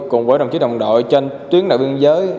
cùng với đồng chí đồng đội trên tuyến đường biên giới